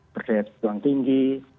berdaya kebutuhan tinggi